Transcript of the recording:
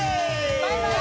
バイバーイ！